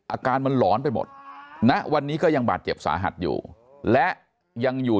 อาการมันหลอนไปหมดณวันนี้ก็ยังบาดเจ็บสาหัสอยู่และยังอยู่